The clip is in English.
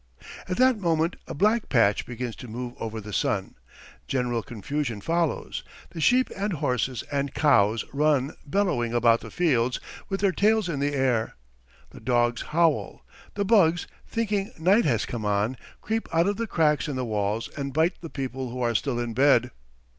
At that moment a black patch begins to move over the sun. General confusion follows. The sheep and horses and cows run bellowing about the fields with their tails in the air. The dogs howl. The bugs, thinking night has come on, creep out of the cracks in the walls and bite the people who are still in bed.